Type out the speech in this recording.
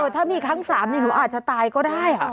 ถ้ามีครั้งสามลุเรืออาจจะตายก็ได้อ่ะ